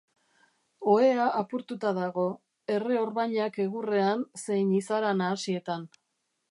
Ohea apurtuta dago, erre orbainak egurrean zein izara nahasietan.